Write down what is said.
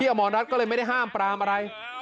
พี่อะมรรดส์ก็เลยไม่ได้ห้ามปรามอะไร